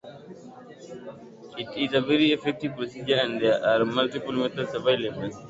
It is a very effective procedure and there are multiple methods available.